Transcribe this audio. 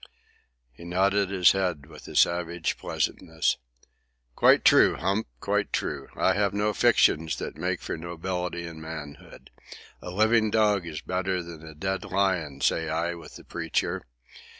He nodded his head with a savage pleasantness. "Quite true, Hump, quite true. I have no fictions that make for nobility and manhood. A living dog is better than a dead lion, say I with the Preacher.